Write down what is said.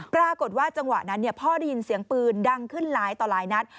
ปรากฏว่าจังหวะนั้นพ่อได้ยินเสียงปืนดังขึ้นหลายต่อหลายนัด